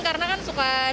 karena kan suka nunggu